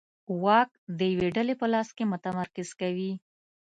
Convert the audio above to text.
واک د یوې ډلې په لاس کې متمرکز کوي.